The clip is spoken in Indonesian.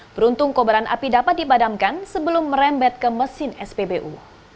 beruntung kobaran api dapat dipadamkan sebelum merembet ke mesin spbu